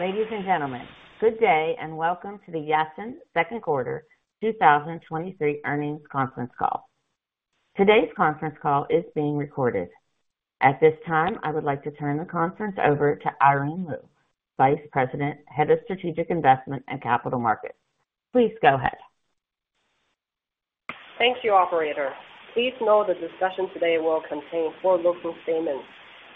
Ladies and gentlemen, good day, and welcome to the Yatsen second quarter 2023 earnings conference call. Today's conference call is being recorded. At this time, I would like to turn the conference over to Irene Lyu, Vice President, Head of Strategic Investment and Capital Markets. Please go ahead. Thank you, operator. Please note the discussion today will contain forward-looking statements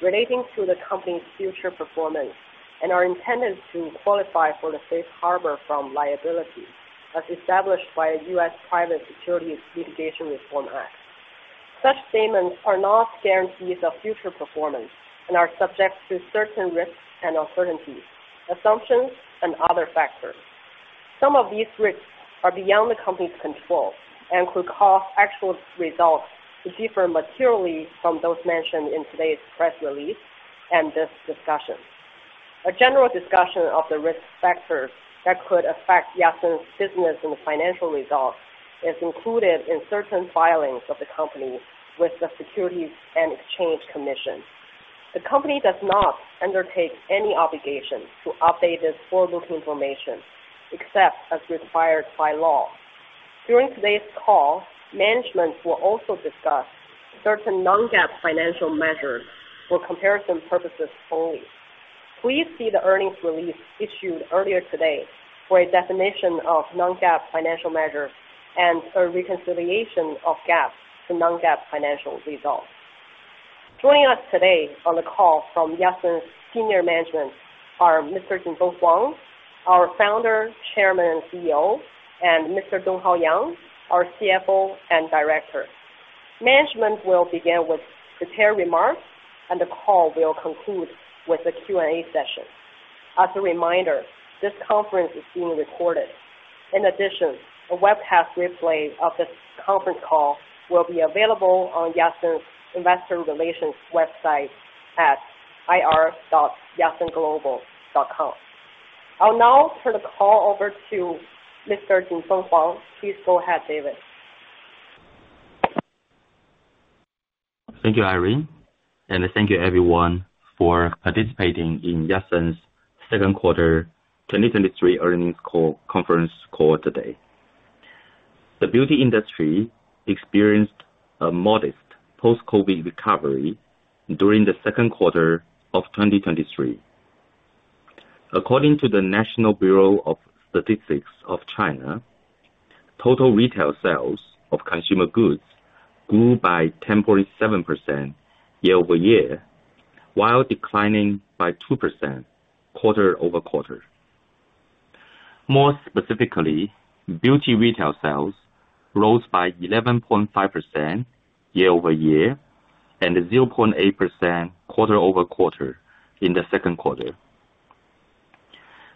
relating to the company's future performance and are intended to qualify for the safe harbor from liabilities as established by U.S. Private Securities Litigation Reform Act. Such statements are not guarantees of future performance and are subject to certain risks and uncertainties, assumptions, and other factors. Some of these risks are beyond the company's control and could cause actual results to differ materially from those mentioned in today's press release and this discussion. A general discussion of the risk factors that could affect Yatsen's business and financial results is included in certain filings of the company with the Securities and Exchange Commission. The company does not undertake any obligation to update this forward-looking information, except as required by law. During today's call, management will also discuss certain non-GAAP financial measures for comparison purposes only. Please see the earnings release issued earlier today for a definition of non-GAAP financial measure and a reconciliation of GAAP to non-GAAP financial results. Joining us today on the call from Yatsen's senior management are Mr. Jinfeng Huang, our Founder, Chairman, and CEO, and Mr. Donghao Yang, our CFO and Director. Management will begin with prepared remarks, and the call will conclude with a Q&A session. As a reminder, this conference is being recorded. In addition, a webcast replay of this conference call will be available on Yatsen's Investor Relations website at ir.yatsenglobal.com. I'll now turn the call over to Mr. Jinfeng Huang. Please go ahead, David. Thank you, Irene, and thank you everyone for participating in Yatsen's second quarter 2023 earnings call, conference call today. The beauty industry experienced a modest post-COVID recovery during the second quarter 2023. According to the National Bureau of Statistics of China, total retail sales of consumer goods grew by 10.7% year-over-year, while declining by 2% quarter-over-quarter. More specifically, beauty retail sales rose by 11.5% year-over-year and 0.8% quarter-over-quarter in the second quarter.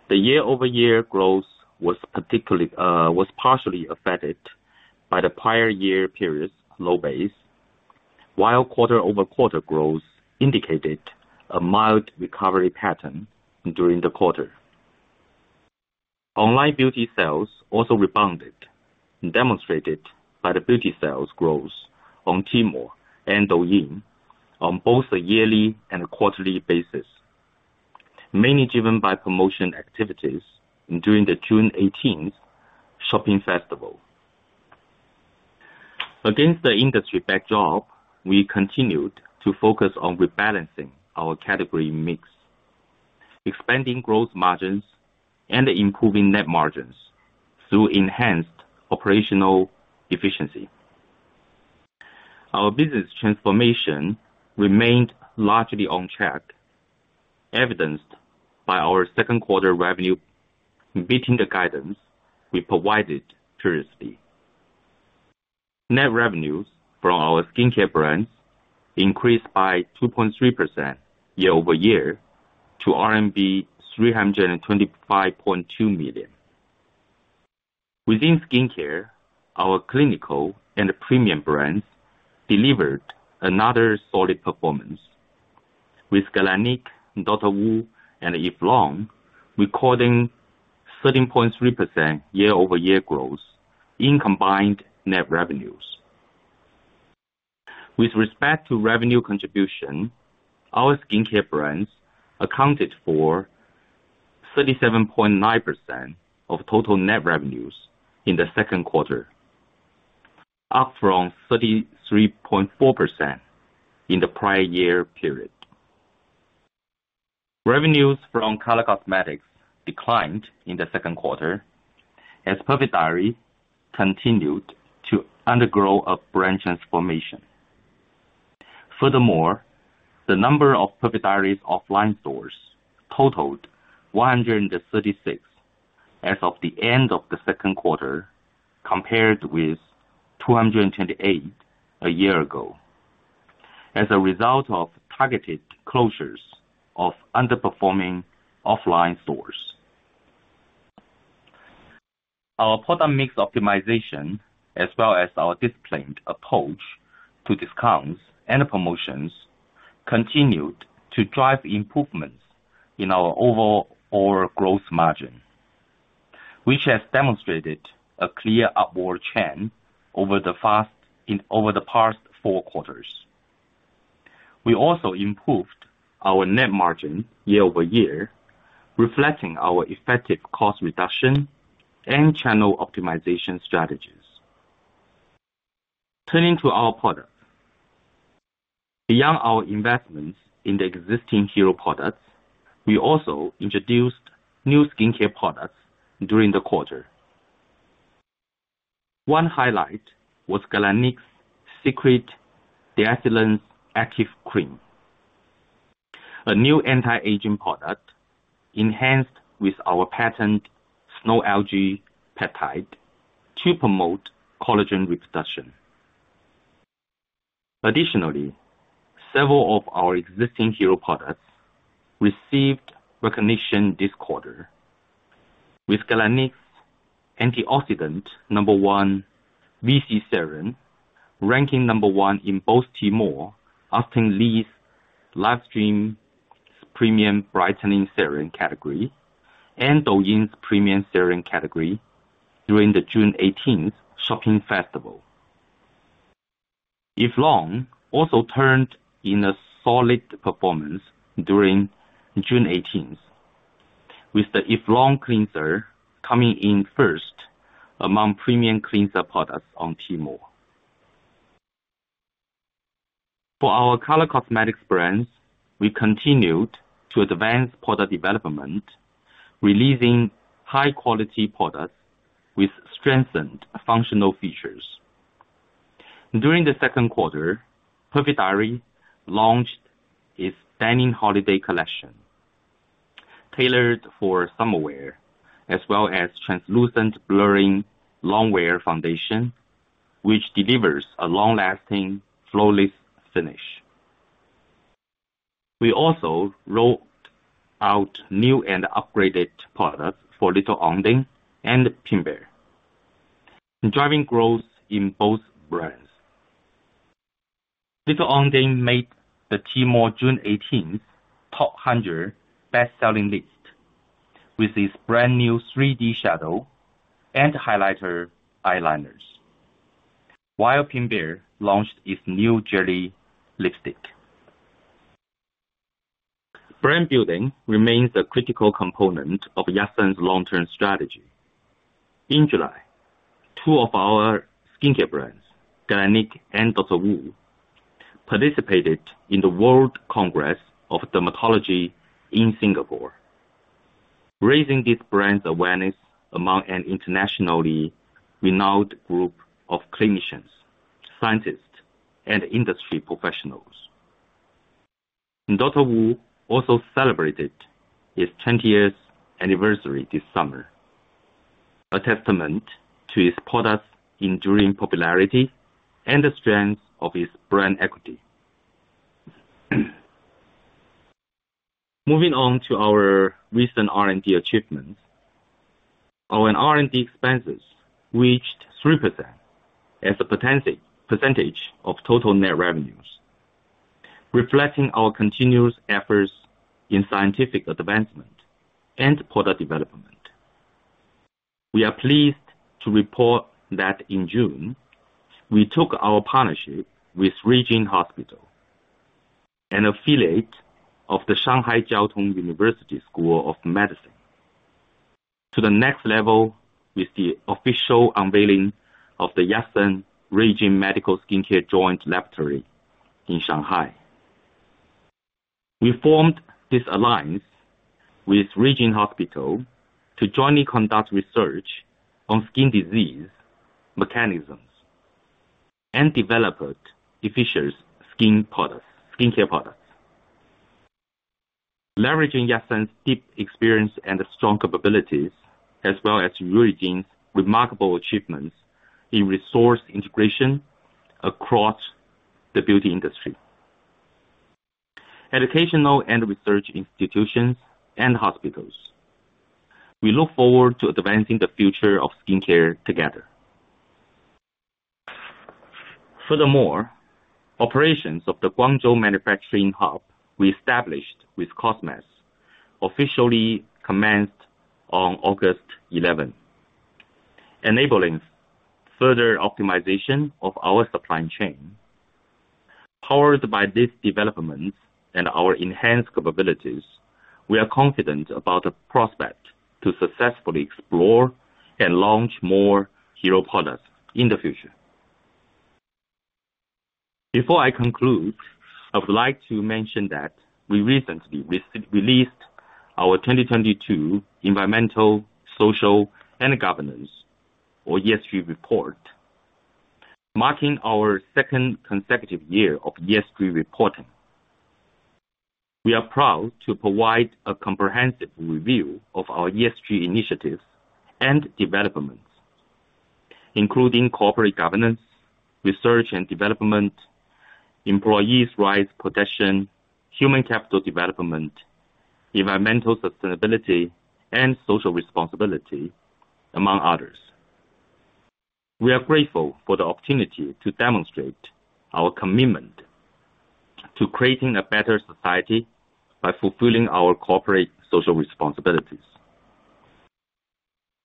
The year-over-year growth was particularly, was partially affected by the prior year period's low base, while quarter-over-quarter growth indicated a mild recovery pattern during the quarter. Online beauty sales also rebounded, demonstrated by the beauty sales growth on Tmall and Douyin on both a yearly and quarterly basis, mainly driven by promotion activities during the 618 Shopping Festival. Against the industry backdrop, we continued to focus on rebalancing our category mix, expanding growth margins, and improving net margins through enhanced operational efficiency. Our business transformation remained largely on track, evidenced by our second quarter revenue beating the guidance we provided previously. Net revenues from our skincare brands increased by 2.3% year-over-year to RMB 325.2 million. Within skincare, our clinical and premium brands delivered another solid performance, with Galénic, DR.WU, and Eve Lom recording 13.3% year-over-year growth in combined net revenues. With respect to revenue contribution, our skincare brands accounted for 37.9% of total net revenues in the second quarter, up from 33.4% in the prior year period. Revenues from color cosmetics declined in the second quarter as Perfect Diary continued to undergo a brand transformation. Furthermore, the number of Perfect Diary's offline stores totaled 136 as of the end of the second quarter, compared with 228 a year ago, as a result of targeted closures of underperforming offline stores. Our product mix optimization, as well as our disciplined approach to discounts and promotions, continued to drive improvements in our overall growth margin, which has demonstrated a clear upward trend over the past four quarters. We also improved our net margin year-over-year, reflecting our effective cost reduction and channel optimization strategies. Turning to our product. Beyond our investments in the existing hero products, we also introduced new skincare products during the quarter. One highlight was Galénic's Secret d'Excellence The Cream, a new anti-aging product enhanced with our patent snow algae peptide to promote collagen production. Additionally, several of our existing hero products received recognition this quarter, with Galénic's Antioxidant No. 1 VC Serum, ranking No. 1 in both Tmall, offering these livestream premium brightening serum category and Douyin's premium serum category during the 618 Shopping Festival. Eve Lom also turned in a solid performance during 618, with the Eve Lom Cleanser coming in 1st among premium cleanser products on Tmall. For our color cosmetics brands, we continued to advance product development, releasing high quality products with strengthened functional features. During the second quarter, Perfect Diary launched its stunning holiday collection, tailored for summer wear as well as Translucent Blurring Longwear Foundation, which delivers a long-lasting, flawless finish. We also rolled out new and upgraded products for Little Ondine and Pink Bear, driving growth in both brands. Little Ondine made the Tmall June 18th top 100 best-selling list, with its brand new 3D Shadow & Highlighter Eyeliners. Pink Bear launched its new Jelly Lipstick. Brand building remains a critical component of Yatsen's long-term strategy. In July, two of our skincare brands, Galénic and DR.WU, participated in the World Congress of Dermatology in Singapore, raising its brand awareness among an internationally renowned group of clinicians, scientists, and industry professionals. DR.WU also celebrated his 20 years anniversary this summer, a testament to his products' enduring popularity and the strength of his brand equity. Moving on to our recent R&D achievements. Our R&D expenses reached 3% as a percentage of total net revenues, reflecting our continuous efforts in scientific advancement and product development. We are pleased to report that in June, we took our partnership with Ruijin Hospital, an affiliate of the Shanghai Jiao Tong University School of Medicine, to the next level with the official unveiling of the Yatsen Ruijin Medical Skincare Joint Laboratory in Shanghai. We formed this alliance with Ruijin Hospital to jointly conduct research on skin disease, mechanisms, and developed efficient skin products, skincare products. Leveraging Yatsen's deep experience and strong capabilities, as well as Ruijin remarkable achievements in resource integration across the beauty industry, educational and research institutions, and hospitals. We look forward to advancing the future of skincare together. Operations of the Guangzhou manufacturing hub we established with Cosmax, officially commenced on August 11, enabling further optimization of our supply chain. Powered by these developments and our enhanced capabilities, we are confident about the prospect to successfully explore and launch more hero products in the future. Before I conclude, I would like to mention that we recently released our 2022 environmental, social, and governance, or ESG report, marking our second consecutive year of ESG reporting. We are proud to provide a comprehensive review of our ESG initiatives and developments, including corporate governance, research and development, employees' rights protection, human capital development, environmental sustainability, and social responsibility, among others. We are grateful for the opportunity to demonstrate our commitment to creating a better society by fulfilling our corporate social responsibilities.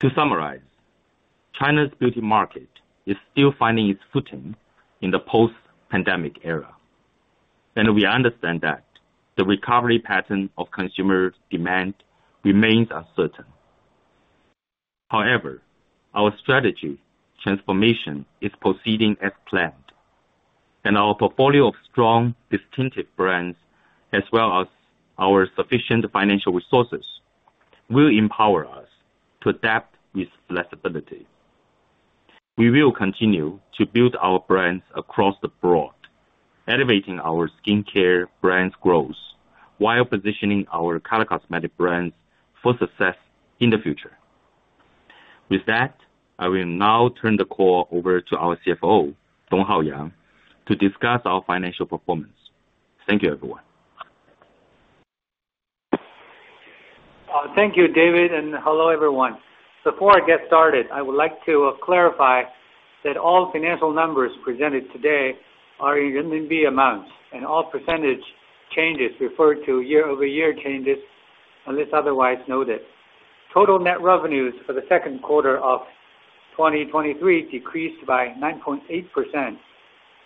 To summarize, China's beauty market is still finding its footing in the post-pandemic era, and we understand that the recovery pattern of consumer demand remains uncertain. However, our strategy transformation is proceeding as planned, and our portfolio of strong, distinctive brands, as well as our sufficient financial resources, will empower us to adapt with flexibility. We will continue to build our brands across the board, elevating our skincare brands growth while positioning our color cosmetic brands for success in the future. With that, I will now turn the call over to our CFO, Donghao Yang, to discuss our financial performance. Thank you, everyone. Thank you, David, and hello, everyone. Before I get started, I would like to clarify that all financial numbers presented today are in RMB amounts, and all percentage changes referred to year-over-year changes, unless otherwise noted. Total net revenues for the second quarter of 2023 decreased by 9.8%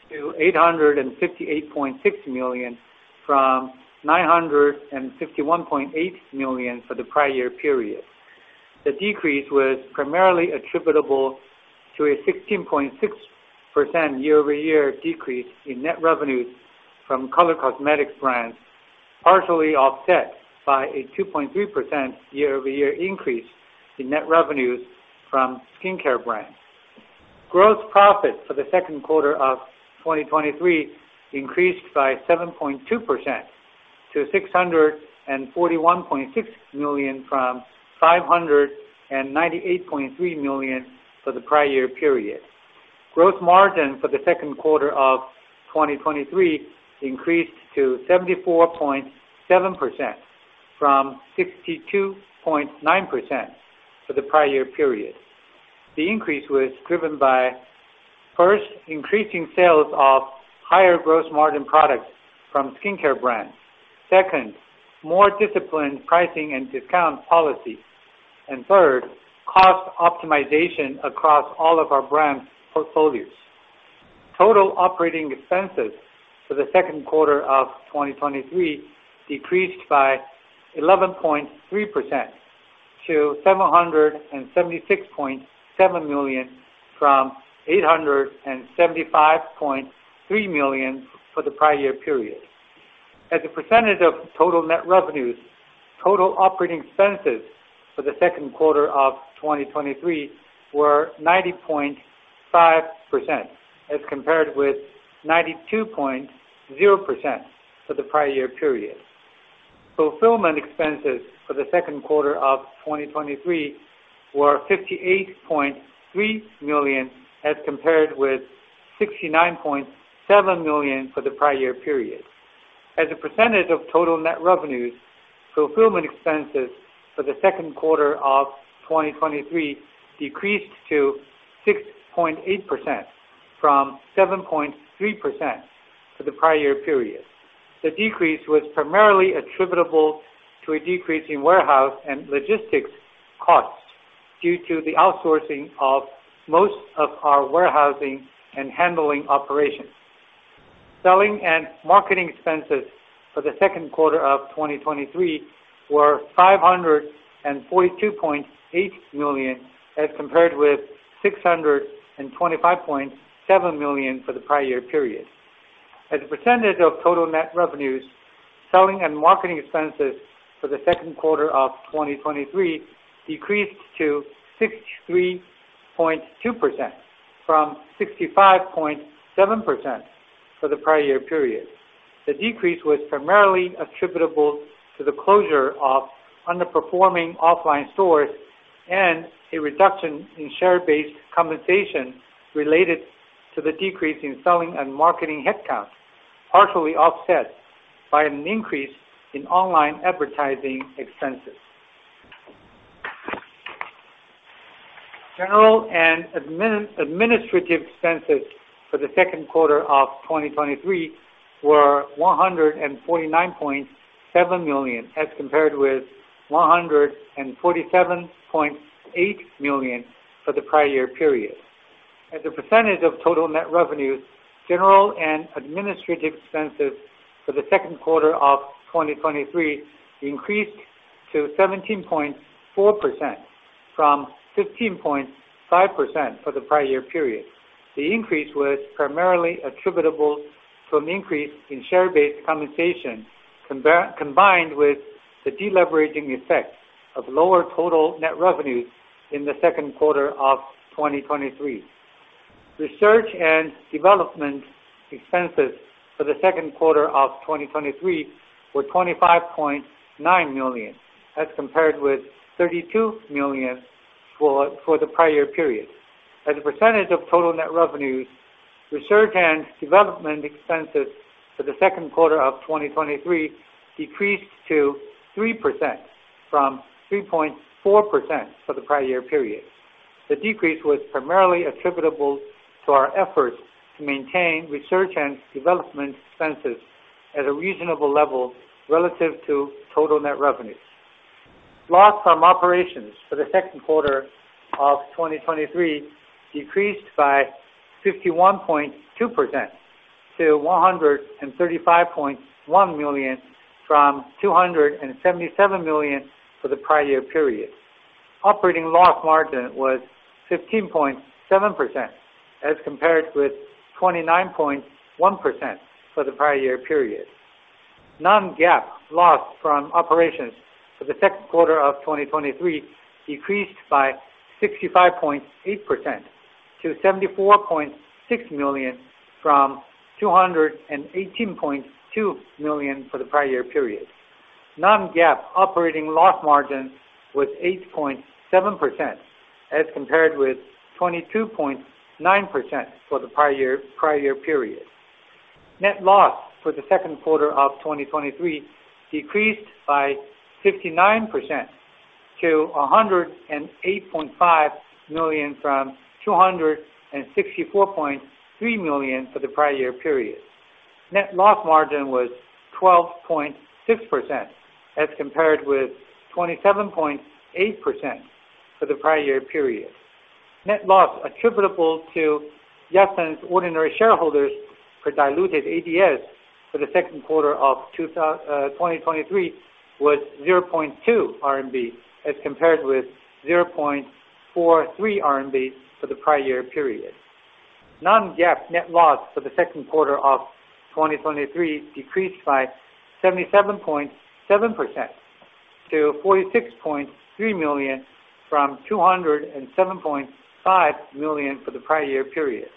to 858.6 million, from 951.8 million for the prior year period. The decrease was primarily attributable to a 16.6% year-over-year decrease in net revenues from color cosmetics brands, partially offset by a 2.3% year-over-year increase in net revenues from skincare brands. Gross profit for the second quarter of 2023 increased by 7.2% to 641.6 million, from 598.3 million for the prior year period. Gross margin for the second quarter of 2023 increased to 74.7%, from 62.9% for the prior year period. The increase was driven by, first, increasing sales of higher gross margin products from skincare brands. Second, more disciplined pricing and discount policy. Third, cost optimization across all of our brand portfolios. Total operating expenses for the second quarter of 2023 decreased by 11.3% to 776.7 million, from 875.3 million for the prior year period. As a percentage of total net revenues, total operating expenses for the second quarter of 2023 were 90.5%, as compared with 92.0% for the prior year period. Fulfillment expenses for the second quarter of 2023 were 58.3 million, as compared with 69.7 million for the prior year period. As a percentage of total net revenues, fulfillment expenses for the second quarter of 2023 decreased to 6.8% from 7.3% for the prior year period. The decrease was primarily attributable to a decrease in warehouse and logistics costs due to the outsourcing of most of our warehousing and handling operations. Selling and marketing expenses for the second quarter of 2023 were 542.8 million, as compared with 625.7 million for the prior year period. As a percentage of total net revenues, selling and marketing expenses for the second quarter of 2023 decreased to 63.2% from 65.7% for the prior year period. The decrease was primarily attributable to the closure of underperforming offline stores and a reduction in share-based compensation related to the decrease in selling and marketing headcount, partially offset by an increase in online advertising expenses. General and admin- administrative expenses for the second quarter of 2023 were 149.7 million, as compared with 147.8 million for the prior year period. As a percentage of total net revenues, general and administrative expenses for the second quarter of 2023 increased to 17.4% from 15.5% for the prior year period. The increase was primarily attributable from increase in share-based compensation, compar-- combined with the deleveraging effect of lower total net revenues in the second quarter of 2023. Research and development expenses for the second quarter of 2023 were 25.9 million, as compared with 32 million for the prior year period. As a percentage of total net revenues, research and development expenses for the second quarter of 2023 decreased to 3% from 3.4% for the prior year period. The decrease was primarily attributable to our efforts to maintain research and development expenses at a reasonable level relative to total net revenues. Loss from operations for the second quarter of 2023 decreased by 51.2% to 135.1 million from 277 million for the prior year period. Operating loss margin was 15.7%, as compared with 29.1% for the prior year period. Non-GAAP loss from operations for the second quarter of 2023 decreased by 65.8% to 74.6 million from 218.2 million for the prior year period. Non-GAAP operating loss margin was 8.7%, as compared with 22.9% for the prior year period. Net loss for the second quarter of 2023 decreased by 59% to 108.5 million, from 264.3 million for the prior year period. Net loss margin was 12.6%, as compared with 27.8% for the prior year period. Net loss attributable to Yatsen's ordinary shareholders per diluted ADS for the second quarter of 2023 was 0.2 RMB, as compared with 0.43 RMB for the prior year period. Non-GAAP net loss for the second quarter of 2023 decreased by 77.7% to 46.3 million from 207.5 million for the prior year period.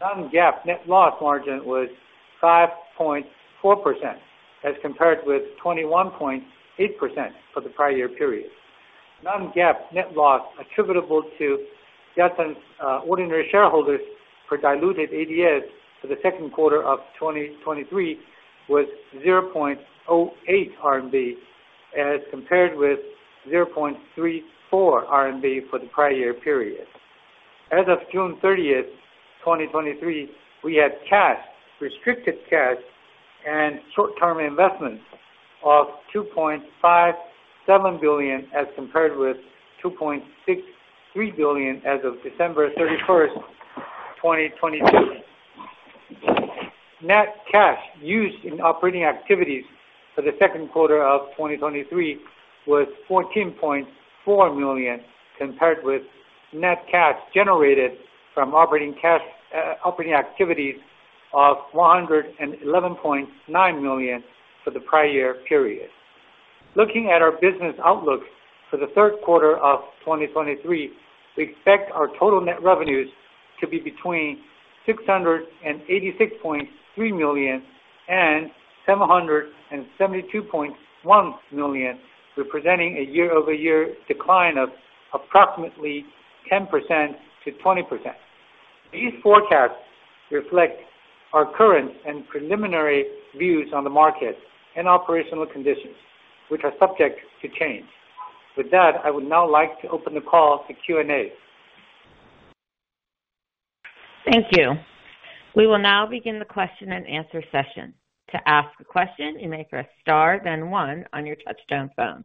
Non-GAAP net loss margin was 5.4%, as compared with 21.8% for the prior year period. Non-GAAP net loss attributable to Yatsen's ordinary shareholders per diluted ADS for the second quarter of 2023 was 0.08 RMB, as compared with 0.34 RMB for the prior year period. As of June 30th, 2023, we had cash, restricted cash, and short-term investments of 2.57 billion, as compared with 2.63 billion as of December 31st, 2022. Net cash used in operating activities for the second quarter of 2023 was 14.4 million, compared with net cash generated from operating cash, operating activities of 111.9 million for the prior year period. Looking at our business outlook for the third quarter of 2023, we expect our total net revenues to be between 686.3 million and 772.1 million, representing a year-over-year decline of approximately 10%-20%. These forecasts reflect our current and preliminary views on the market and operational conditions, which are subject to change. With that, I would now like to open the call to Q&A. Thank you. We will now begin the question-and-answer session. To ask a question, you may press star, then one on your touchtone phone.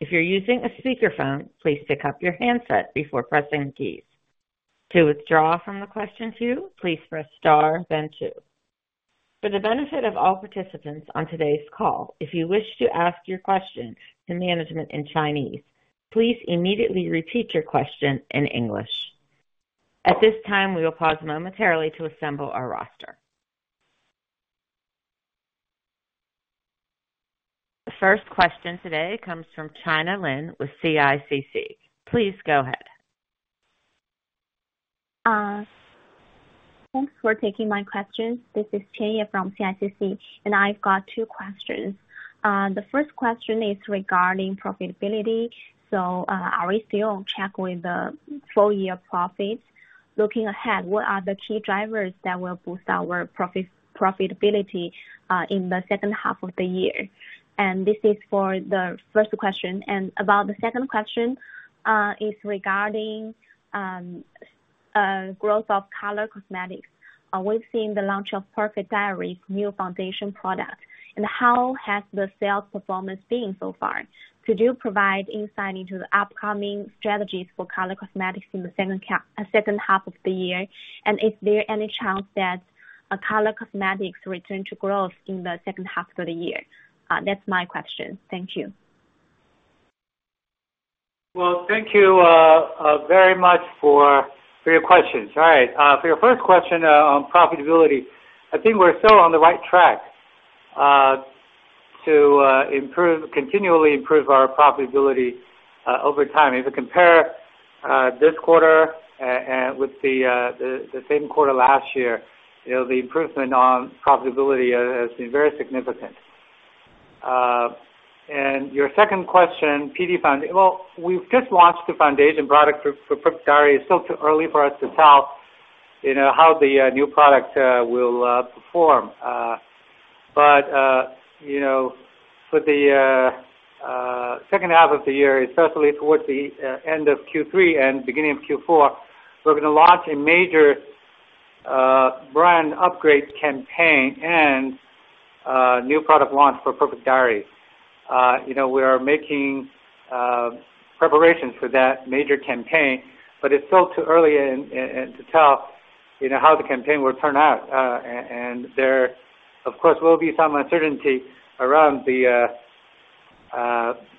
If you're using a speakerphone, please pick up your handset before pressing keys. To withdraw from the question queue, please press star then two. For the benefit of all participants on today's call, if you wish to ask your question to management in Chinese, please immediately repeat your question in English. At this time, we will pause momentarily to assemble our roster. The first question today comes from Manqi Huang with CICC. Please go ahead. Thanks for taking my questions. This is Manqi Huang from CICC, I've got two questions. The first question is regarding profitability. Are we still on track with the full year profits? Looking ahead, what are the key drivers that will boost our profitability in the second half of the year? This is for the first question. About the second question is regarding growth of color cosmetics. We've seen the launch of Perfect Diary's new foundation product, and how has the sales performance been so far? Could you provide insight into the upcoming strategies for color cosmetics in the second half of the year? Is there any chance that a color cosmetics return to growth in the second half of the year? That's my question. Thank you. Well, thank you very much for, for your questions. All right. For your first question on profitability, I think we're still on the right track to improve continually improve our profitability over time. If you compare this quarter with the same quarter last year, you know, the improvement on profitability has been very significant. Your second question, PD Foundation. Well, we've just launched the foundation product for Perfect Diary. It's still too early for us to tell, you know, how the new product will perform. You know, for the second half of the year, especially towards the end of Q3 and beginning of Q4, we're gonna launch a major brand upgrade campaign and new product launch for Perfect Diary. You know, we are making preparations for that major campaign, but it's still too early and, and, to tell, you know, how the campaign will turn out. And, and there, of course, will be some uncertainty around the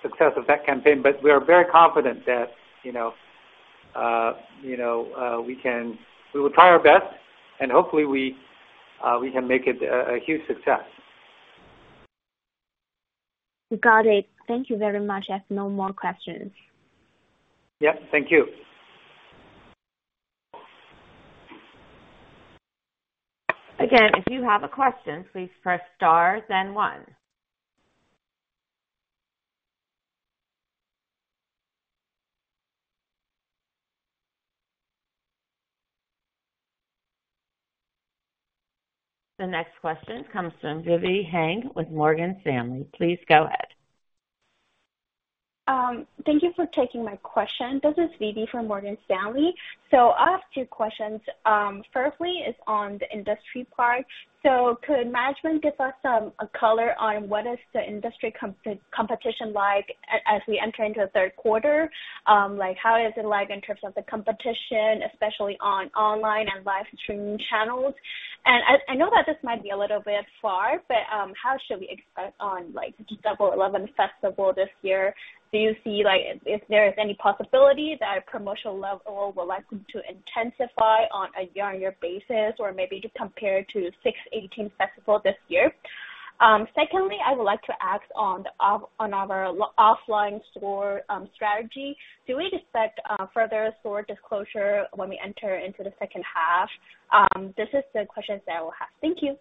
success of that campaign. We are very confident that, you know, you know, we can- we will try our best, and hopefully we can make it a, a huge success. Got it. Thank you very much. I have no more questions. Yep, thank you. Again, if you have a question, please press star, then one. The next question comes from Vivi Huang with Morgan Stanley. Please go ahead. Thank you for taking my question. This is Vivi Huang from Morgan Stanley. I have two questions. Firstly, is on the industry part. Could management give us a color on what is the industry competition like as we enter into the third quarter? Like, how is it like in terms of the competition, especially on online and livestreaming channels? I know that this might be a little bit far, but how should we expect on, like, 11.11 Festival this year? Do you see, like, if there is any possibility that promotional level will likely to intensify on a year-on-year basis, or maybe just compared to 618 Shopping Festival this year? Secondly, I would like to ask on our offline store strategy. Do we expect further store disclosure when we enter into the second half? This is the questions that I will have. Thank you.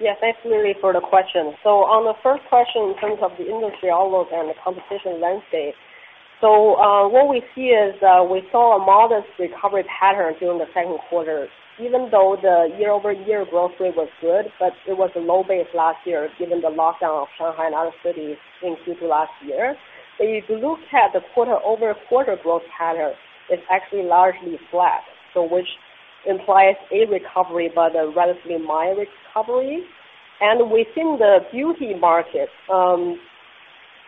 Yes, thanks, Vivi, for the question. On the first question, in terms of the industry outlook and the competition landscape, what we see is, we saw a modest recovery pattern during the second quarter, even though the year-over-year growth rate was good, but it was a low base last year, given the lockdown of Shanghai and other cities in Q2 last year. If you look at the quarter-over-quarter growth pattern, it's actually largely flat, so which implies a recovery, but a relatively mild recovery. Within the beauty market,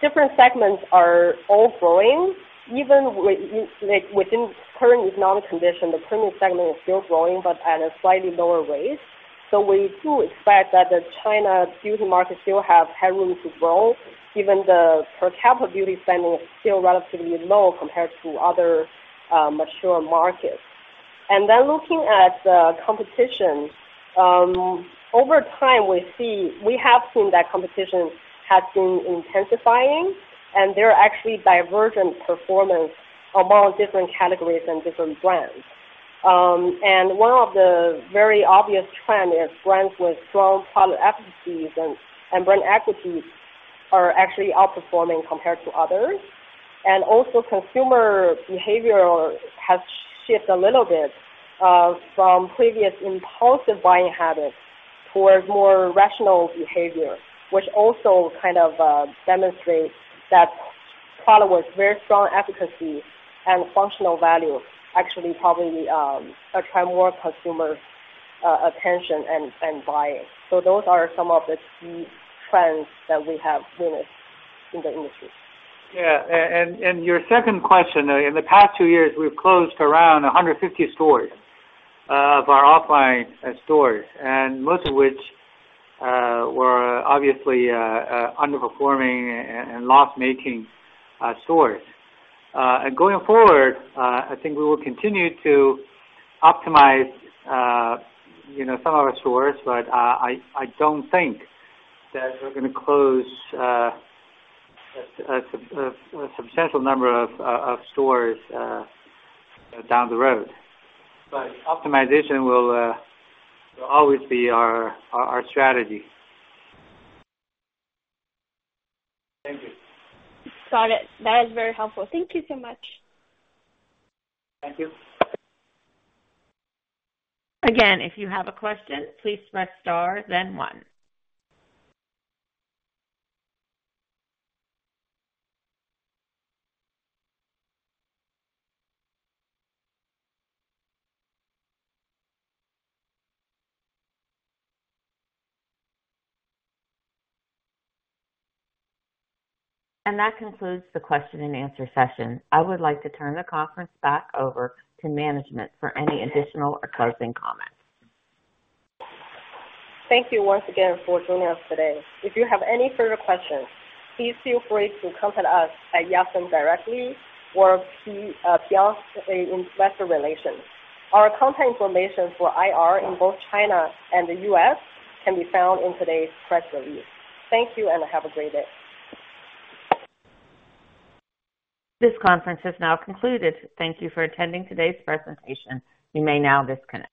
different segments are all growing. Even like, within current economic condition, the premium segment is still growing, but at a slightly lower rate. We do expect that the China beauty market still have high room to grow, given the per capita beauty spending is still relatively low compared to other mature markets. Looking at the competition, over time, we have seen that competition has been intensifying, and there are actually divergent performance among different categories and different brands. One of the very obvious trend is brands with strong product efficacies and, and brand equities are actually outperforming compared to others. Also, consumer behavior has shift a little bit, from previous impulsive buying habits towards more rational behavior, which also kind of demonstrates that product with very strong efficacy and functional value actually probably attract more consumers attention and, and buying. Those are some of the key trends that we have witnessed in the industry. Yeah, your second question, in the past two years, we've closed around 150 stores of our offline stores, and most of which were obviously underperforming and loss-making stores. Going forward, I think we will continue to optimize, you know, some of our stores, but I, I don't think that we're gonna close a substantial number of stores down the road. Optimization will always be our strategy. Thank you. Got it. That is very helpful. Thank you so much. Thank you. Again, if you have a question, please press star then one. That concludes the question and answer session. I would like to turn the conference back over to management for any additional or closing comments. Thank you once again for joining us today. If you have any further questions, please feel free to contact us at Yatsen directly or P, Piacente in Investor Relations. Our contact information for IR in both China and the U.S. can be found in today's press release. Thank you, and have a great day. This conference has now concluded. Thank you for attending today's presentation. You may now disconnect.